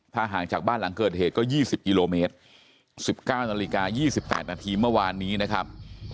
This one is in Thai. ถ้าห่างจากบ้านหลังเกิดเหตุก็๒๐กิโลเมตร๑๙นาฬิกา๒๘นาทีเมื่อวานนี้นะครับ